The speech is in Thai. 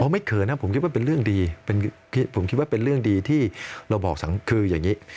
ไม่เขินนะผมคิดว่าเป็นเรื่องดีผมคิดว่าเป็นเรื่องดีที่เราบอกสังคมคืออย่างนี้